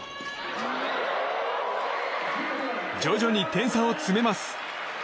徐々に点差を詰めます。